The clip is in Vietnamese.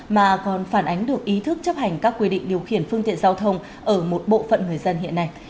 mà còn phản ánh được ý thức chấp hành các quy định điều khiển phương tiện giao thông ở một bộ phận người dân hiện nay